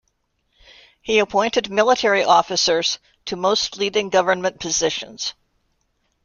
He appointed military officers to most leading government positions.